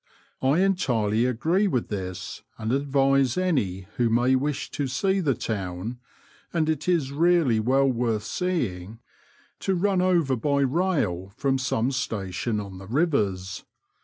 I entirely agree with this, and advise any who may wish to see the town — and it is really well worth seeing — to run over by rail from some station on iihe rivers.